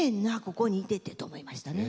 ここにいてって思いましたね。